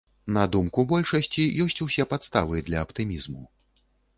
На думку большасці, ёсць усе падставы для аптымізму.